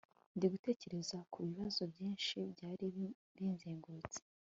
ndi gutekereza ku bibazo byinshi byari binzengurutse